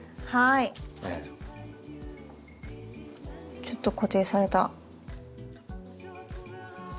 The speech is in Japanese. ちょっと固定された。